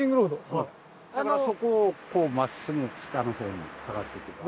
そこをこう真っすぐ下の方に下がっていけば。